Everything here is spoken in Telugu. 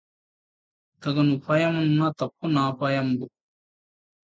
తగు నుపాయమున్న తప్పు నపాయంబు